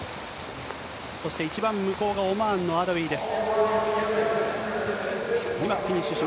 そして一番向こうがオマーンのアルイーです。